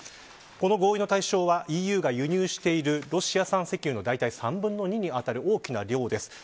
この合意の対象はＥＵが輸入しているロシア産石油の３分の２にあたる大きな量です。